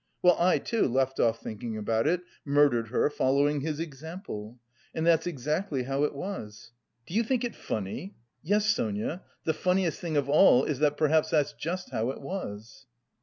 Well, I too... left off thinking about it... murdered her, following his example. And that's exactly how it was! Do you think it funny? Yes, Sonia, the funniest thing of all is that perhaps that's just how it was."